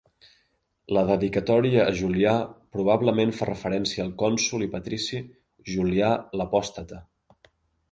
La dedicatòria a Julià probablement fa referència al cònsol i patrici Julià l'Apòstata.